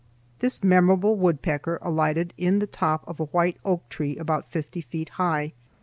This memorable woodpecker alighted in the top of a white oak tree about fifty feet high.